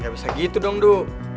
gak bisa gitu dong du